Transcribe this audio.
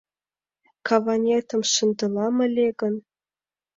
Каванетым шындалам ыле гын